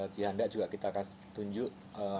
cihandak juga kita kasih tunjuk